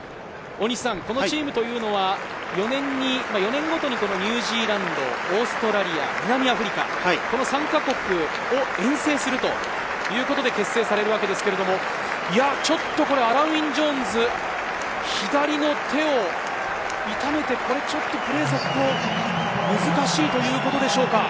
このチームというのは４年ごとにニュージーランド、オーストラリア、南アフリカ、この３か国を遠征するということで結成されるわけですが、ちょっとアラン＝ウィン・ジョーンズ、左の手を痛めてプレー続行は難しいということでしょうか？